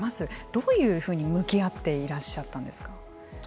どういうふうに向き合っていらっしゃったんですか。